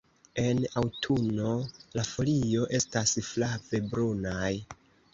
En aŭtuno la folio estas flave brunaj.